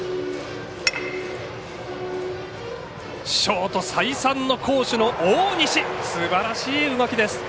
ショート、再三の好守の大西すばらしい動きです。